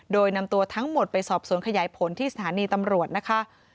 โดยนำตัวทั้งหมดไปสอบสวนขยายผลที่สถานีตำรวจนะคะ